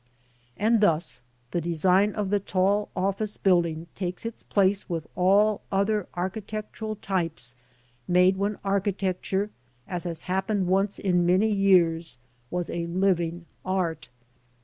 And thus the design of the tall office building takes its place with all other architectural types made when architecture, as has happened once in many years, was a living art.